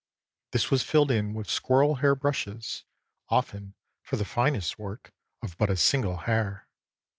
This was filled in with squirrel hair brushes, often, for the finest work, of but a single hair.